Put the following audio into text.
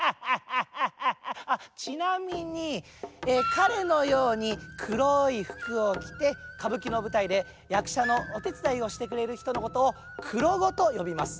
かれのようにくろいふくをきてかぶきのぶたいでやくしゃのおてつだいをしてくれるひとのことを「くろご」とよびます。